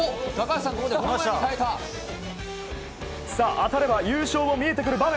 当たれば優勝も見えてくる場面。